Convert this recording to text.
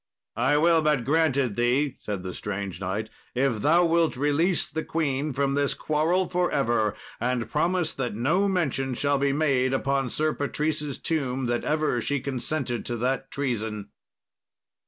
] "I will but grant it thee," said the strange knight, "if thou wilt release the queen from this quarrel for ever, and promise that no mention shall be made upon Sir Patrice's tomb that ever she consented to that treason."